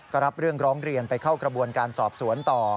ก็รับเรื่องร้องเรียนไปเข้ากระบวนการสอบสวนต่อ